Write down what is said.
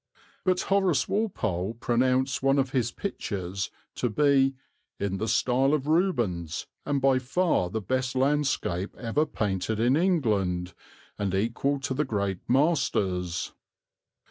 But Horace Walpole pronounced one of his pictures to be "in the style of Rubens, and by far the best landscape ever painted in England, and equal to the great masters."